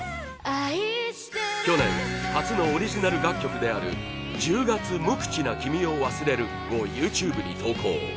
去年初のオリジナル楽曲である『１０月無口な君を忘れる』をＹｏｕＴｕｂｅに投稿。